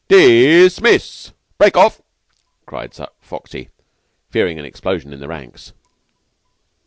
"Dismiss! Break off!" cried Foxy, fearing an explosion in the ranks.